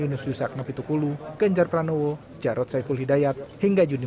adalah karena semangat kolaborasi dengan dia